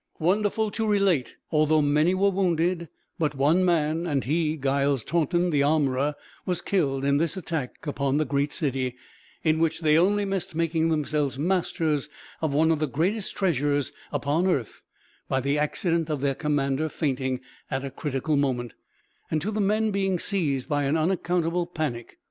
Wonderful to relate, although many were wounded, but one man, and he Giles Taunton the armorer, was killed in this attack upon the great city, in which they only missed making themselves masters of one of the greatest treasures upon earth by the accident of their commander fainting, at a critical moment, and to the men being seized by an unaccountable panic.